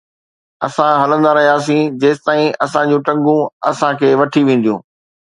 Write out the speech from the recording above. اسان هلندا رهياسين جيستائين اسان جون ٽنگون اسان کي وٺي وينديون